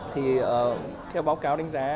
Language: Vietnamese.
thì theo báo cáo đánh giá